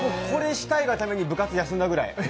これしたいがために部活、休んだくらい。